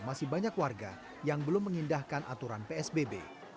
masih banyak warga yang belum mengindahkan aturan psbb